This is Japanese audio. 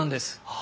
あ！